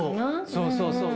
そうそうそう。